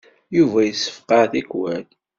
Yuba yessefqaɛ tikwal.